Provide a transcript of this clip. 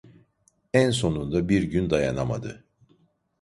En sonunda bir gün dayanamadı...